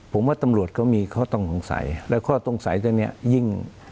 ผมว่าตำรวจเขามีข้อต้องคงใสและข้อต้องใสเท่านี้ยิ่ง